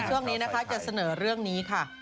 ช่วงนี้นะคะจะเสนอเรื่องนี้ค่ะ